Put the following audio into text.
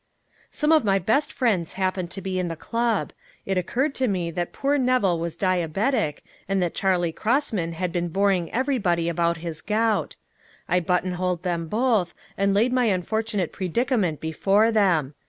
Some of my best friends happened to be in the club. It occurred to me that poor Nevill was diabetic, and that Charley Crossman had been boring everybody about his gout. I buttonholed them both, and laid my unfortunate predicament before them.